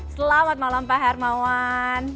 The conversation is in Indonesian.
selamat malam pak hermawan